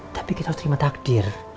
tapi kita harus terima takdir